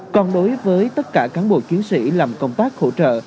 còn đối với tất cả cán bộ chiến sĩ làm công tác hỗ trợ